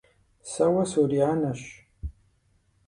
Сэ уэ сурианэщ!